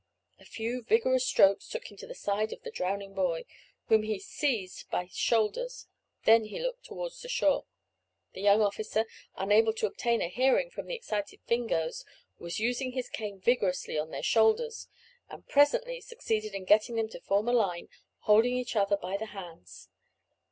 A few vigorous strokes took him to the side of the drowning boy, whom he seized by his shoulders; then he looked towards the shore. The young officer, unable to obtain a hearing from the excited Fingoes, was using his cane vigorously on their shoulders, and presently succeeded in getting them to form a line, holding each other by the hands.